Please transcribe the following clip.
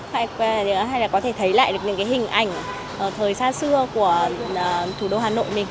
hay là có thể thấy lại được những cái hình ảnh thời xa xưa của thủ đô hà nội mình